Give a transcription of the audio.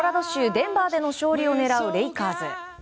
デンバーでの勝利を狙うレイカーズ。